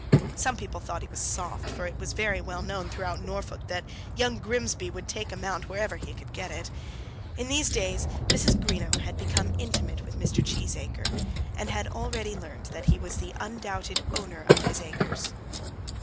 Some people thought he was soft, for it was very well known throughout Norfolk that young Grimsby would take a mount wherever he could get it. In these days Mrs. Greenow had become intimate with Mr. Cheesacre, and had already learned that he was the undoubted owner of his own acres.